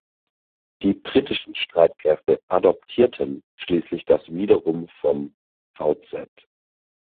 Die britischen Streitkräfte adoptierten schließlich das wiederum vom vz.